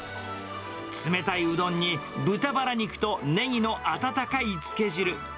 冷たいうどんに豚バラ肉とネギの温かいつけ汁。